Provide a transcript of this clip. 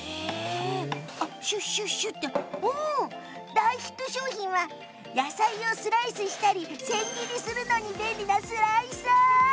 大ヒット商品は野菜をスライスしたり千切りするのに便利なスライサー。